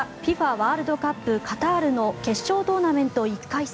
ワールドカップカタールの決勝トーナメント１回戦